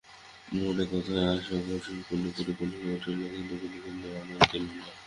মনের কথায় আশা আকণ্ঠ পরিপূর্ণ হইয়া উঠিল, কিন্তু বিনোদিনী আমল দিল না।